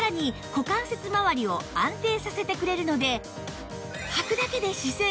股関節まわりを安定させてくれるので